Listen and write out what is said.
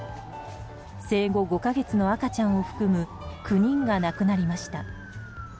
生後５か月の赤ちゃんを含む９人が亡くなりました。